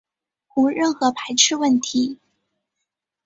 无任何排斥问题